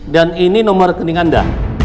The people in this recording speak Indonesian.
dan ini nomor rekening anda